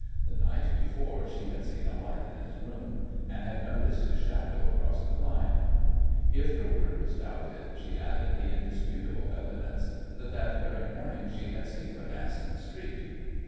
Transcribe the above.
The night before she had seen a light in his room, and had noticed his shadow across the blind. If her word was doubted, she added the indisputable evidence that that very morning she had seen Bodasse in the street!